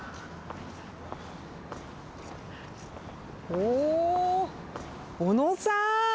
おお小野さん！